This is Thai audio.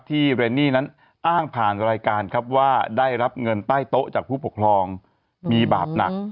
เรนนี่นั้นอ้างผ่านรายการครับว่าได้รับเงินใต้โต๊ะจากผู้ปกครองมีบาปหนัก